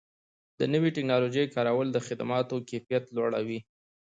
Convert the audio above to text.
د نوې ټکنالوژۍ کارول د خدماتو کیفیت لوړوي.